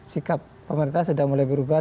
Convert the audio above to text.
sikap pemerintah sudah mulai berubah